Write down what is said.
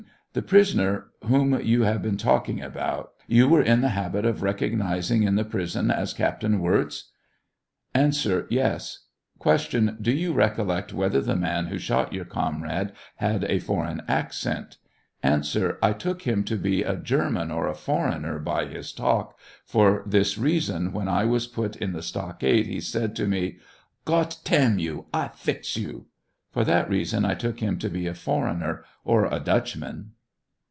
The prisoner whom you have been talking about, you were in the habit of recognizing in the prison as Captain Wirz ? A. Yes. Q. Do you recollect whether the man who shot your comrade had a foreign accent I A. I took him to be a German or a foreigner by his talk, for this reason, when I was put III the stocks he said to me, " Gott tam you, I fix you." For that reason I took him to be a foreigner, or a Dutchman.